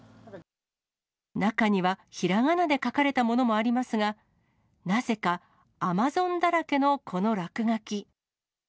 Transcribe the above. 中には、ひらがなで書かれたものもありますが、なぜか、Ａｍａｚｏｎ！だらけのこの落書き。